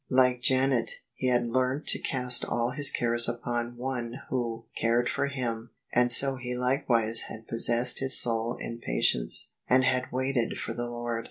Like Janet, he had learnt to cast all his care upon One Who cared for him and so he likewise had possessed his soul in patience, and had waited for the Lord.